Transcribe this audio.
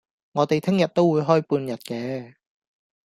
我哋聽日都會開半日嘅